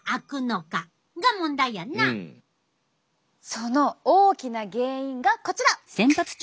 その大きな原因がこちら！